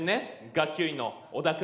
学級委員の小田君。